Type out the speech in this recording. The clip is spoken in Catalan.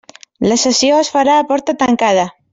La sessió es farà a porta tancada.